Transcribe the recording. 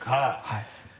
はい。